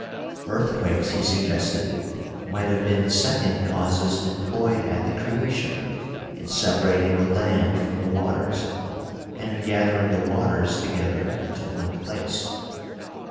Earthquakes, he suggested, might have been the second causes employed at the Creation in separat ing the land from the waters and in gathering the waters together into one place.